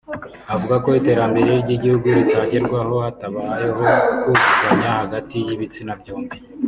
avuga ko iterambere ry’igihugu ritagerwaho hatabayeho ukuzuzanya hagati y’ibitsina byombi